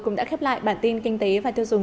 cũng đã khép lại bản tin kinh tế và tiêu dùng